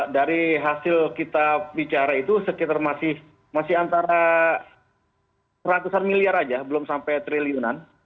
dari hasil kita bicara itu sekitar masih antara ratusan miliar aja belum sampai triliunan